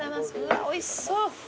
おいしそう！